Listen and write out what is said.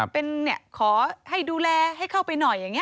เป็นขอให้ดูแลให้เข้าไปหน่อยอย่างนี้